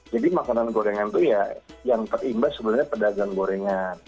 jadi makanan gorengan itu ya yang terimba sebenarnya pedagang gorengan